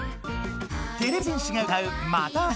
てれび戦士が歌う「また明日」。